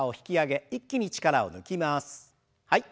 はい。